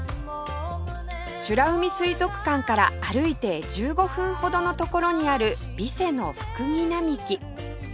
美ら海水族館から歩いて１５分ほどの所にある備瀬のフクギ並木